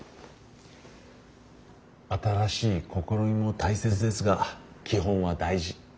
新しい試みも大切ですが基本は大事。